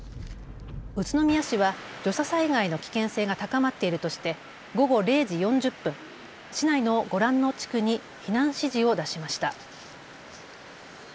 宇都宮市は土砂災害の危険性が高まっているとして午後０時４０分、市内のご覧の地区に避難指示を出しました。